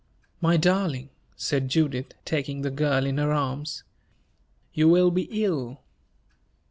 "My darling," said Judith, taking the girl in her arms, "you will be ill!"